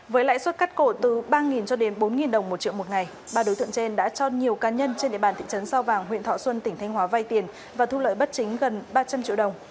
với lãi suất cắt cổ từ ba cho đến bốn đồng một triệu một ngày ba đối tượng trên đã cho nhiều cá nhân trên địa bàn thị trấn sao vàng huyện thọ xuân tỉnh thanh hóa vay tiền và thu lợi bất chính gần ba trăm linh triệu đồng